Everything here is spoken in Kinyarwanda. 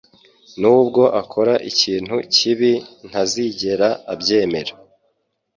Nubwo akora ikintu kibi, ntazigera abyemera.